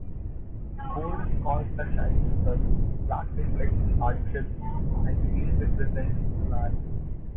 Gold recalls the shining sun, black reflects hardships, and green represents the land.